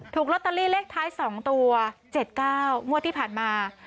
ถูกลอตเตอรี่เลขท้าย๒ตัว๗๙งวดที่ผ่านมา